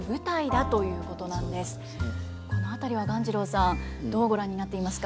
この辺りは鴈治郎さんどうご覧になっていますか。